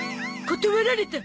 断られた。